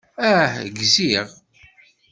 Ah, gziɣ.